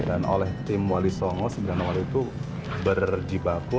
dan oleh tim wali songo sembilan wali itu berjerjibaku